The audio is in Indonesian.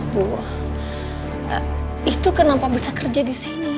bu itu kenapa bisa kerja disini